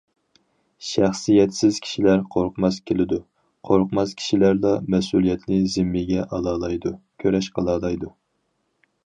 شەخسىيەتسىز كىشىلەر قورقماس كېلىدۇ، قورقماس كىشىلەرلا مەسئۇلىيەتنى زىممىگە ئالالايدۇ، كۈرەش قىلالايدۇ.